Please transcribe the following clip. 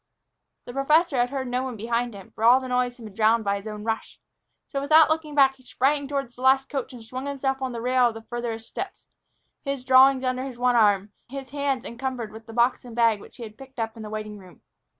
The professor had heard no one behind him, for all noise had been drowned by his own rush. So, without looking back, he sprang toward the last coach and swung himself on by the rail of the farther steps, his drawings under one arm, his hands encumbered with the box and bag which he had picked up in the waiting room.